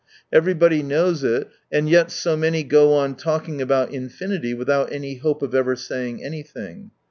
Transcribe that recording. Everybody knows it, and yet so many go on talking about infinity, without any hope of ever saying anything.